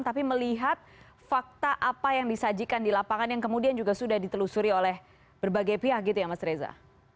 tapi melihat fakta apa yang disajikan di lapangan yang kemudian juga sudah ditelusuri oleh berbagai pihak gitu ya mas reza